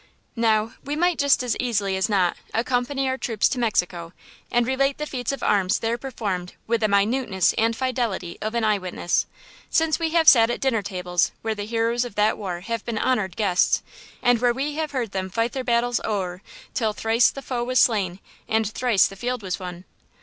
Now, we might just as easily as not accompany our troops to Mexico and relate the feats of arms there performed with the minuteness and fidelity of an eye witness, since we have sat at dinner tables where the heroes of that war have been honored guests, and where we have heard them fight their battles o'er till "thrice the foe was slain and thrice the field was won."